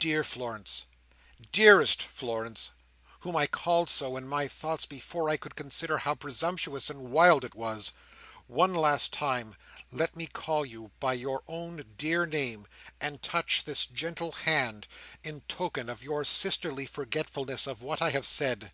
"Dear Florence! Dearest Florence! whom I called so in my thoughts before I could consider how presumptuous and wild it was. One last time let me call you by your own dear name, and touch this gentle hand in token of your sisterly forgetfulness of what I have said."